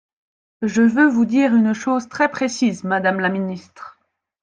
Je veux vous dire une chose très précise, madame la ministre.